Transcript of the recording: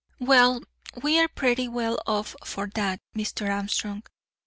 "Well, we are pretty well off for that, Mr. Armstrong.